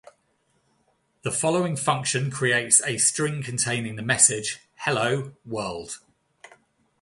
The following function creates a string containing the message Hello, world!